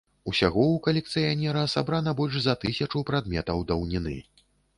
Усяго ў калекцыянера сабрана больш за тысячу прадметаў даўніны.